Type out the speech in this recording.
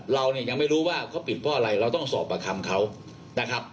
เราเนี่ยยังไม่รู้ว่าเขาปิดเพราะอะไรเราต้องสอบประคำเขานะครับ